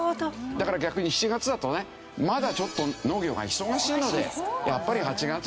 だから逆に７月だとねまだちょっと農業が忙しいのでやっぱり８月にしようよ。